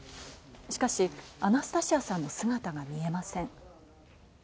しかしアナスタシアさんの姿が見えません。